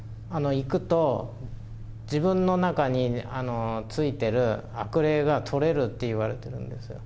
行くと、自分の中についてる悪霊が取れるっていわれてるんですよ。